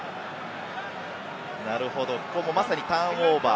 ここもまさにターンオーバー。